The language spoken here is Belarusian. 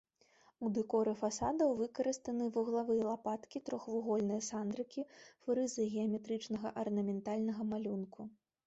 У дэкоры фасадаў выкарыстаны вуглавыя лапаткі, трохвугольныя сандрыкі, фрызы геаметрычнага арнаментальнага малюнку.